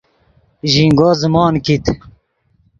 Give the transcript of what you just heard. ژینگو زیموت کیت